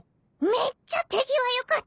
めっちゃ手際良かったさ。